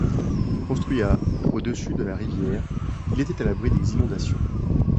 Construit à au-dessus de la rivière, il était à l'abri des inondations.